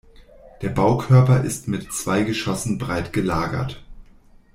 Der Baukörper ist mit zwei Geschossen breit gelagert.